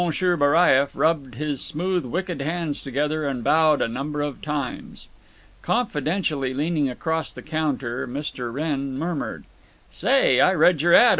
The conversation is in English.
Baraieff rubbed his smooth wicked hands together and bowed a number of times. Confidentially leaning across the counter, Mr. Wrenn murmured: "Say, I read your ad.